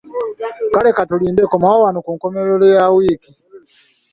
Kale KATULINDE, komawo wano ku nkomerero Ya wiiki.